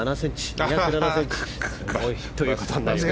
２０７ｃｍということになります。